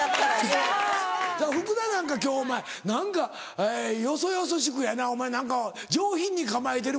福田なんか今日お前何かよそよそしくやなお前何か上品に構えてる。